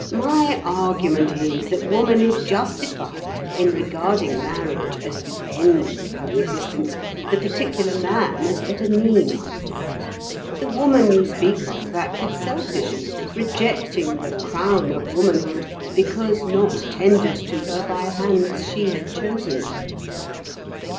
"My argument is that woman is justified in regarding marriage as the end of her existence, the particular man as but a means. The woman you speak of acted selfishly, rejecting the crown of womanhood because not tendered to her by hands she had chosen."